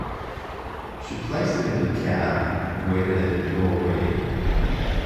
She placed it in the cab and waited in the doorway.